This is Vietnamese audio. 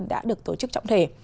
đã được tổ chức trọng thể